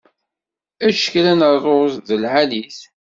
Ečč kra n rruẓ, d lɛali-t.